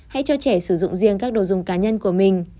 hãy cho trẻ sử dụng riêng các đồ dùng cá nhân của mình